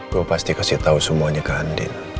gue pasti kasih tahu semuanya ke andin